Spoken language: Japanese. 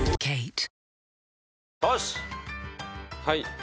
はい。